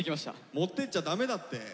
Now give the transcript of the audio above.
持ってっちゃ駄目だって。